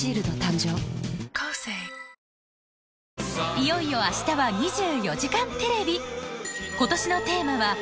いよいよ明日は『２４時間テレビ』